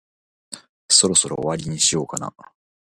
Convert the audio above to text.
そろそろ終わりにしようかな。